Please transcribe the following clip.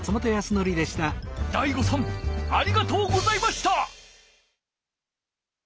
醍醐さんありがとうございました！